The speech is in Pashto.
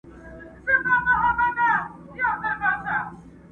قاسم یار او د نشې یې سره څه،